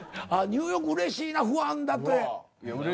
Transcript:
ニューヨークうれしいなファンだって。